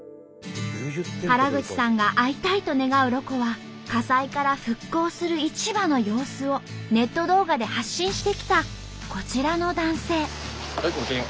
原口さんが会いたいと願うロコは火災から復興する市場の様子をネット動画で発信してきたこちらの男性。